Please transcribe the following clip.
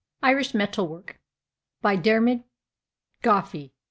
IRISH METAL WORK By DIARMID GOFFEY.